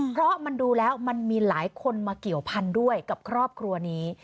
เพราะมันดูแล้วมันมีหลายคนมาเกี่ยวพันธุ์ด้วยกับครอบครัวนี้